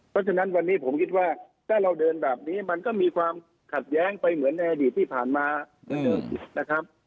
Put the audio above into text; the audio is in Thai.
เพราะฉะนั้นวันนี้ผมคิดว่าถ้าเราเดินแบบนี้มันก็มีความขัดแย้งไปเหมือนในอดีตที่ผ่านมาเหมือนเดิมนะครับ